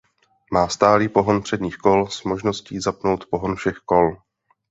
Má stálý pohon předních kol s možností zapnout pohon všech kol.